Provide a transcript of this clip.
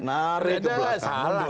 narik ke belakang